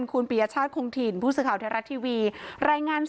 คุณปริญญาชาติคลุงถิ่นผู้สื่อข่าวไทรรัชทีวีรายงาน